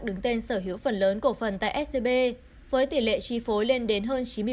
đứng tên sở hữu phần lớn cổ phần tại scb với tỷ lệ chi phối lên đến hơn chín mươi